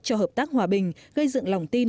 cho hợp tác hòa bình gây dựng lòng tin